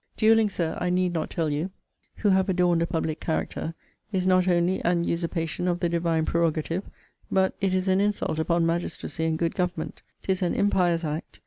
Duelling, Sir, I need not tell you, who have adorned a public character, is not only an usurpation of the Divine prerogative; but it is an insult upon magistracy and good government. 'Tis an impious act.